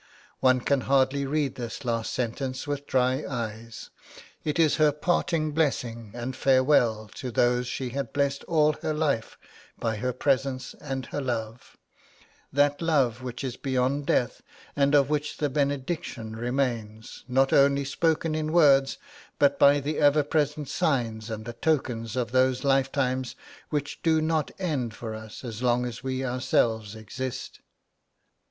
One can hardly read this last sentence with dry eyes. It is her parting blessing and farewell to those she had blessed all her life by her presence and her love that love which is beyond death; and of which the benediction remains, not only spoken in words, but by the ever present signs and the tokens of those lifetimes which do not end for us as long as we ourselves exist.